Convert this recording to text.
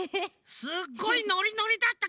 すっごいノリノリだったけど。